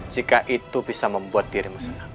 jika itu bisa membuat dirimu senang